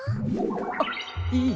あっいえ。